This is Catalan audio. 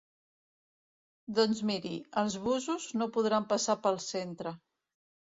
Doncs miri, els busos no podran passar pel centre.